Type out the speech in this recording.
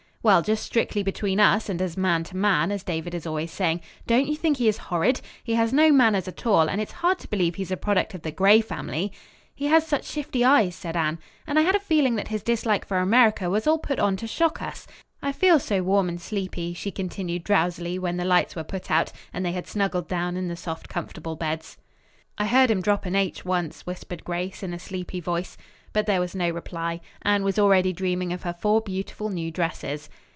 "Well, just strictly between us and as man to man, as David is always saying, don't you think he is horrid? He has no manners at all, and it's hard to believe he's a product of the Gray family." "He has such shifty eyes," said Anne, "and I had a feeling that his dislike for America was all put on to shock us. I feel so warm and sleepy," she continued drowsily when the lights were put out and they had snuggled down in the soft, comfortable beds. "I heard him drop an 'h' once," whispered Grace, in a sleepy voice. But there was no reply. Anne was already dreaming of her four beautiful new dresses.